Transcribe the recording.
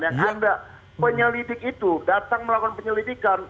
yang ada penyelidik itu datang melakukan penyelidikan